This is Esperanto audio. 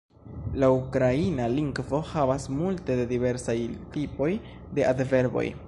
La ukraina lingvo havas multe de diversaj tipoj de adverboj.